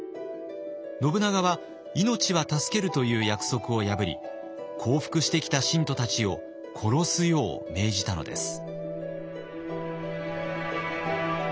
信長は「命は助ける」という約束を破り降伏してきた信徒たちを殺すよう命じたのです。